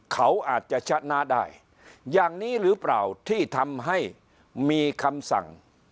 เขาอาจจะชนะได้อย่างนี้หรือเปล่าที่ทำให้มีคำสั่ง